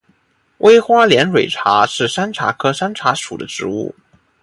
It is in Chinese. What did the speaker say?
微花连蕊茶是山茶科山茶属的植物。